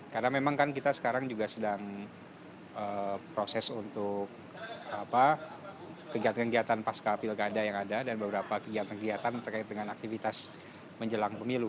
karena memang kan kita sekarang juga sedang proses untuk kegiatan kegiatan pasca pilkada yang ada dan beberapa kegiatan kegiatan terkait dengan aktivitas menjelang pemilu